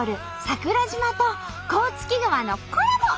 桜島と甲突川のコラボ！